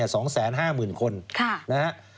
ค่ะนะฮะ